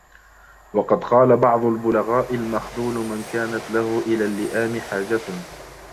وَقَدْ قَالَ بَعْضُ الْبُلَغَاءِ الْمَخْذُولُ مَنْ كَانَتْ لَهُ إلَى اللِّئَامِ حَاجَةٌ